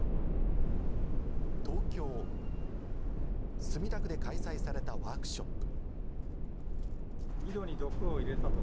東京・墨田区で開催されたワークショップ。